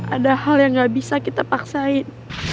ada hal yang gak bisa kita paksain